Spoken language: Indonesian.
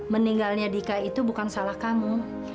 meninggalnya dika itu bukan salah kamu